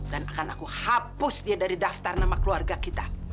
dan akan aku hapus dia dari daftar nama keluarga kita